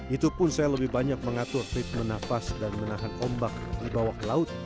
itu pun saya lebih banyak mengatur treatment nafas dan menahan ombak di bawah laut